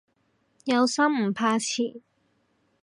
有心唔怕遲